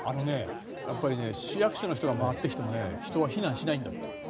やっぱり市役所の人が回ってきても人は避難しないんだって。